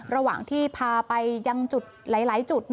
ระหว่างที่พาไปยังจุดหลายจุด